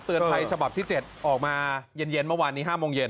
ภัยฉบับที่๗ออกมาเย็นเมื่อวานนี้๕โมงเย็น